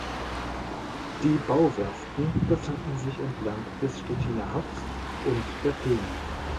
Die Bauwerften befanden sich entlang des Stettiner Haffs und der Peene.